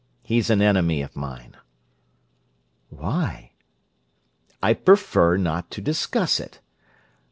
"He's an enemy of mine." "Why?" "I prefer not to discuss it."